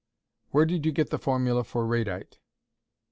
"Where did you get the formula for radite?"